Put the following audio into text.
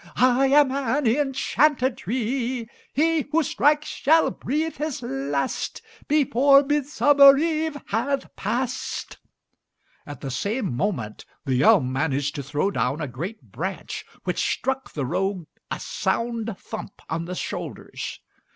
I am an enchanted tree. He who strikes shall breathe his last Before Midsummer Eve hath passed." At the same moment, the elm managed to throw down a great branch which struck the rogue a sound thump on the shoulders.